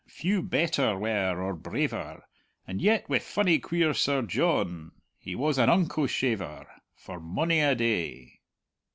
Few better were or braver; And yet wi' funny queer Sir John He was an unco shaver For mony a day.'